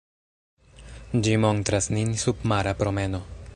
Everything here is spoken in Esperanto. Ĝi montras nin submara promeno.